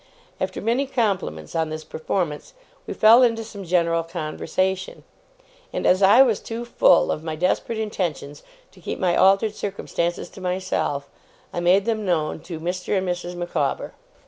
After many compliments on this performance, we fell into some general conversation; and as I was too full of my desperate intentions to keep my altered circumstances to myself, I made them known to Mr. and Mrs. Micawber.